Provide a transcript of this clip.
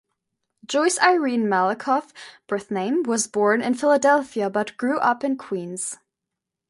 Joyce Irene Malakoff (birth name) was born in Philadelphia but grew up in Queens.